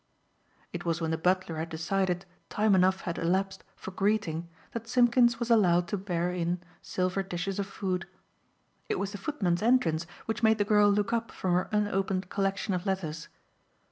It was when the butler had decided time enough had elapsed for greeting that Simpkins was allowed to bear in silver dishes of food. It was the footman's entrance which made the girl look up from her unopened collection of letters.